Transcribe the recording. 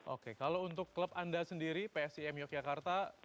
oke kalau untuk klub anda sendiri psim yogyakarta